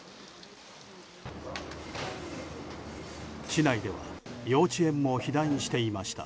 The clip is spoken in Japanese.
市内では幼稚園も被弾していました。